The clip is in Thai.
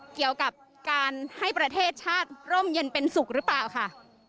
เกี่ยวกับการให้ประเทศชาติร่มเย็นเป็นสุขหรือเปล่าค่ะ